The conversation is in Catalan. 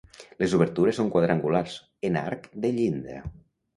Les obertures són quadrangulars, en arc de llinda.